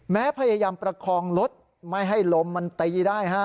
พยายามประคองรถไม่ให้ลมมันตีได้ฮะ